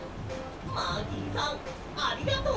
マーキーさんありがとう！